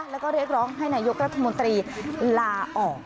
แล้วก็เรียกร้องให้นายกรัฐมนตรีลาออก